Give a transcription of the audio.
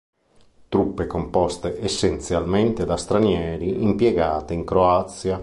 Truppe composte essenzialmente da stranieri impiegate in Croazia.